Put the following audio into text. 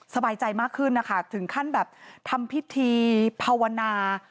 สบายใจมากขึ้นนะคะถึงขั้นแบบทำพิธีภาวนา